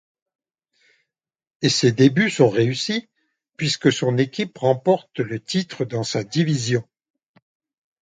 Et ses débuts sont réussis puisque son équipe remporte le titre dans sa division.